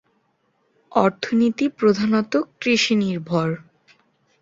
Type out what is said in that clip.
অর্থনীতি প্রধানত কৃষি নির্ভর।